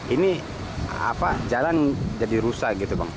ini jalan jadi rusak gitu bang